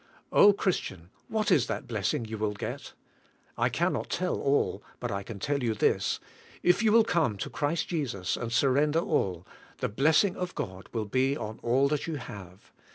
Oh, Christian, what is that blessing you will get? I can not tell ail, but I can tell you this: if 370uv»/ill come to Christ Jesus and surrender all, the blessing of God will be on all that you have.